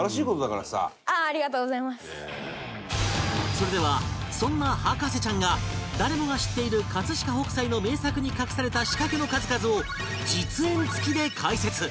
それではそんな博士ちゃんが誰もが知っている飾北斎の名作に隠された仕掛けの数々を実演つきで解説